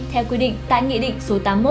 theo quy định tại nghị định số tám mươi một